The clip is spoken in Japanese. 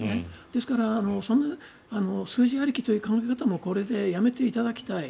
ですから数字ありきという考え方もこれでやめていただきたい。